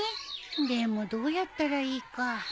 でもどうやったらいいか。